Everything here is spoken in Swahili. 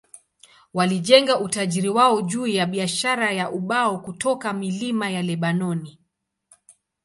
Walijenga utajiri wao juu ya biashara ya ubao kutoka milima ya Lebanoni.